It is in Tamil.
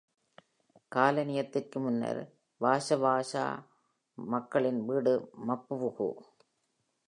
காலனியத்திற்கு முன்னர் வாஷவாஷா மக்களின் வீடு மப்புவுகு.